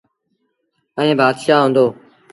ائيٚݩ بآتشآه هُݩدو۔